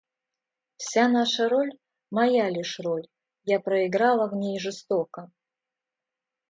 Вся наша роль - моя лишь роль Я проиграла в ней жестоко.